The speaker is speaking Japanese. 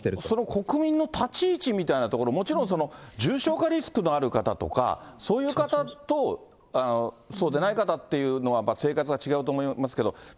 それを国民の立ち位置みたいなところ、もちろん重症化リスクのある方とか、そういう方とそうでない方っていうのは、生活が違うと思いますけれども。